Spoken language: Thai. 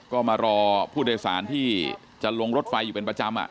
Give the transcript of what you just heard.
ก็มารอผู้โดยสารที่จะลงรถไฟอยู่เป็นประจำ